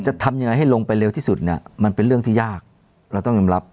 จะทำยังไงให้ลงไปเร็วที่สุดเนี่ยมันเป็นเรื่องที่ยากเราต้องยอมรับ